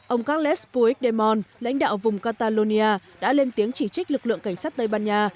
ông carlos puigdemont lãnh đạo vùng catalonia đã lên tiếng chỉ trích lực lượng cảnh sát tây ban nha